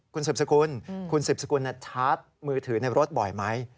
คุณสิบสุคุณเนี่ยชาร์จมือถือในนี้ป่อยไหม